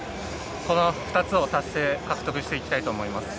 この２つを獲得していきたいと思います。